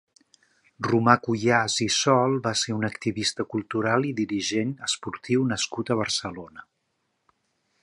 Romà Cuyàs i Sol va ser un activista cultural i dirigent esportiu nascut a Barcelona.